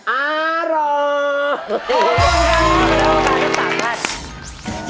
อารอม